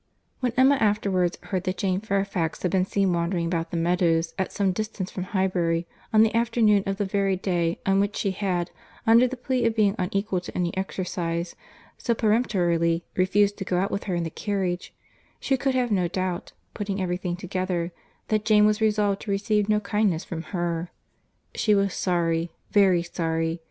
When Emma afterwards heard that Jane Fairfax had been seen wandering about the meadows, at some distance from Highbury, on the afternoon of the very day on which she had, under the plea of being unequal to any exercise, so peremptorily refused to go out with her in the carriage, she could have no doubt—putting every thing together—that Jane was resolved to receive no kindness from her. She was sorry, very sorry.